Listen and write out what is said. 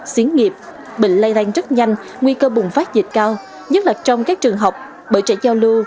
xí nghiệp bệnh lây lan rất nhanh nguy cơ bùng phát dịch cao nhất là trong các trường học bởi trẻ giao lưu